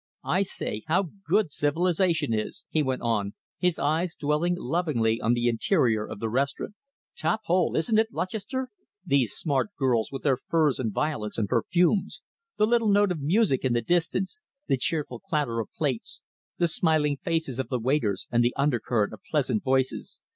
I say, how good civilisation is!" he went on, his eyes dwelling lovingly on the interior of the restaurant. "Tophole, isn't it, Lutchester these smart girls, with their furs and violets and perfumes, the little note of music in the distance, the cheerful clatter of plates, the smiling faces of the waiters, and the undercurrent of pleasant voices.